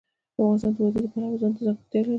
افغانستان د وادي د پلوه ځانته ځانګړتیا لري.